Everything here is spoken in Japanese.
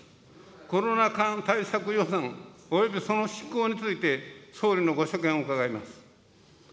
コロナ対策予算およびその執行について、総理のご所見を伺います。